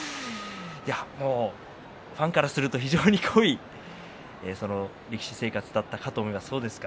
ファンからすると非常に濃い力士生活だったと思いますが、そうですか。